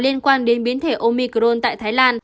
liên quan đến biến thể omicron tại thái lan